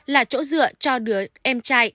là chỗ dựa cho đứa em trai